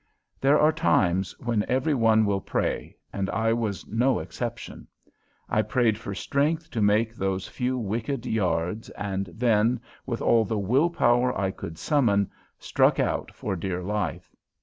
There are times when every one will pray, and I was no exception. I prayed for strength to make those few wicked yards, and then, with all the will power I could summon, struck out for dear life.